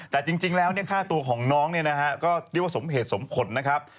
แต่จริงแล้วค่าตัวของน้องก็เรียกว่าสมเหตุสมคตนะครับ